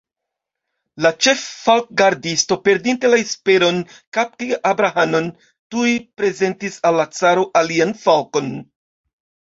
La ĉeffalkgardisto, perdinte la esperon kapti Adrahanon, tuj prezentis al la caro alian falkon.